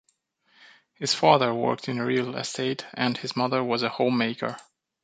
His father worked in real estate and his mother was a home-maker.